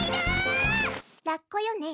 ラッコよね？